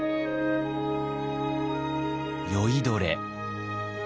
酔いどれ。